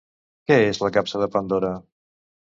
Què és la capsa de Pandora?